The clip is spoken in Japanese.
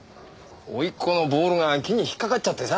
甥っ子のボールが木に引っかかっちゃってさ。